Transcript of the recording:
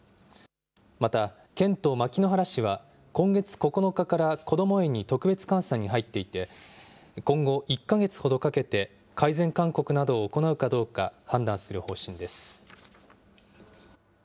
また、県と牧之原市は今月９日からこども園に特別監査に入っていて、今後１か月ほどかけて改善勧告などを行うかどうか、判断する方針です。